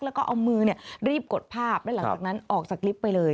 แล้วก็เอามือรีบกดภาพแล้วหลังจากนั้นออกจากลิฟต์ไปเลย